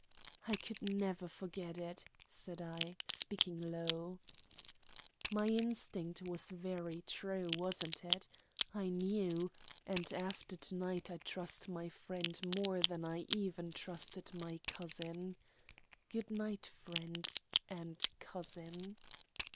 "I could never forget it," said I, speaking low. "My instinct was very true, wasn't it? I knew. And after to night I trust my friend more than I even trusted my cousin. Goodnight, friend and cousin."